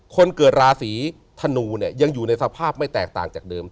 คนเกิดราศีธนูเนี่ยยังอยู่ในสภาพไม่แตกต่างจากเดิม